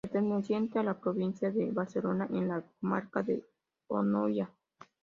Perteneciente a la provincia de Barcelona, en la comarca de Anoia.